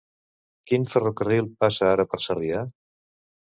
Quin ferrocarril passa ara per Sarrià?